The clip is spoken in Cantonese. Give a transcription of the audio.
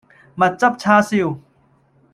蜜汁叉燒